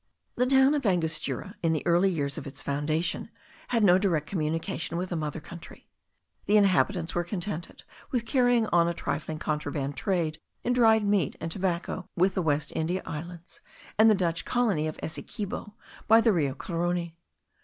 The town of Angostura, in the early years of its foundation, had no direct communication with the mother country. The inhabitants were contented with carrying on a trifling contraband trade in dried meat and tobacco with the West India Islands, and with the Dutch colony of Essequibo, by the Rio Carony.